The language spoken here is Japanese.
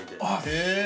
◆へえ。